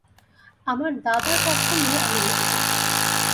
আমার দাদার পক্ষ নিয়ে আমি লড়ব।